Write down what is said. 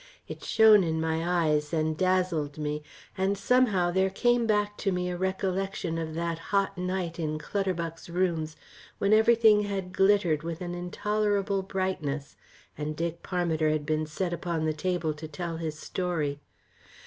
It shone in my eyes and dazzled me, and somehow, there came back to me a recollection of that hot night in Clutterbuck's rooms when everything had glittered with an intolerable brightness, and Dick Parmiter had been set upon the table to tell his story.